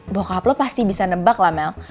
bokap lo pasti bisa nebak lah mel